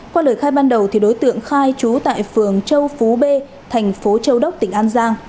qua lời khai ban đầu đối tượng khai trú tại phường châu phú b thành phố châu đốc tỉnh an giang